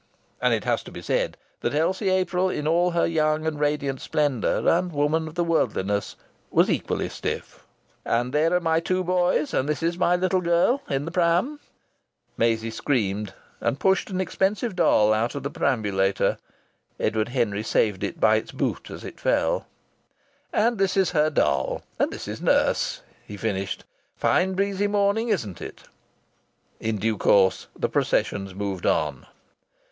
And it has to be said that Elsie April in all her young and radiant splendour and woman of the worldliness was equally stiff. "And there are my two boys. And this is my little girl in the pram." Maisie screamed, and pushed an expensive doll out of the perambulator. Edward Henry saved it by its boot as it fell. "And this is her doll. And this is nurse," he finished. "Fine breezy morning, isn't it?" In due course the processions moved on.